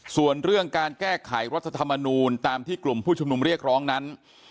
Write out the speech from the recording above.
ส่วนเรื่องการแก้ไขรัฐธรรมนูลตามที่กลุ่มผู้ชุมนุมเรียกร้องนั้น